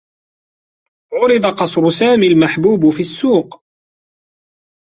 عُرض قصر سامي المحبوب في السّوق.